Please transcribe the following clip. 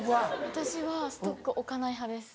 私はストック置かない派です。